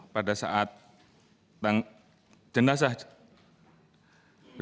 pada hari sabtu pada saat berjena avcha berj